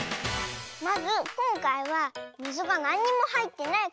まずこんかいはみずがなんにもはいってないコップ。